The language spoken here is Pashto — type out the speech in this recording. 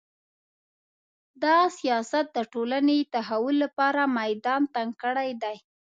دا سیاست د ټولنې د تحول لپاره میدان تنګ کړی دی